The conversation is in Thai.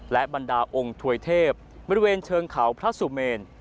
และบรรดาองค์ถวยเทพบริเวณเชิงเขาพระสุเมน